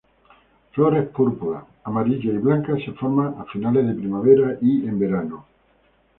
Flores púrpuras, amarillas y blancas se forman a finales de primavera y en verano.